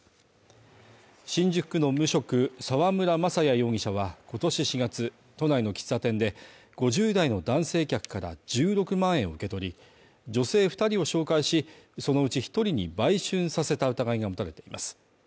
新宿区の無職・沢村雅也容疑者は今年４月都内の喫茶店で５０代の男性客から１６万円を受け取り、女性２人を紹介し、そのうち１人に売春させた疑いが持たれています。